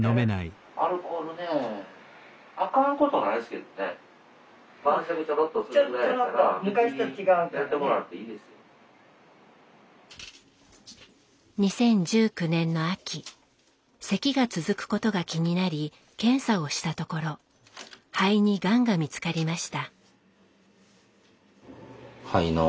アルコールねえ２０１９年の秋せきが続くことが気になり検査をしたところ肺にがんが見つかりました。